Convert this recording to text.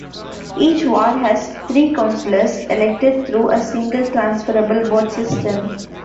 Each Ward has three councillors elected through a single transferable vote system.